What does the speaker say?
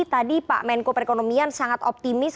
tadi pak menko perekonomian sangat optimis